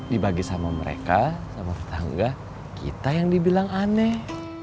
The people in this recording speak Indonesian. dibagi sama mereka sama tetangga kita yang dibilang aneh